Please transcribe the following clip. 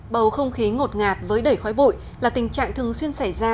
bầu không khí ngột ngạt với đẩy khói bụi là tình trạng thường xuyên xảy ra